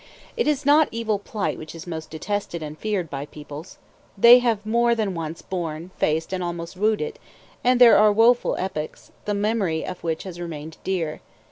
It is not evil plight which is most detested and feared by peoples; they have more than once borne, faced, and almost wooed it, and there are woful epochs, the memory of which has remained dear.